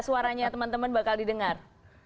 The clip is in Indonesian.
suaranya teman teman bakal didengar